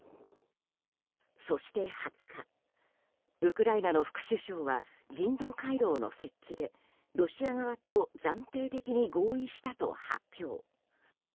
そして２０日ウクライナの副首相は人道回廊の設置でロシア側と暫定的に合意したと発表。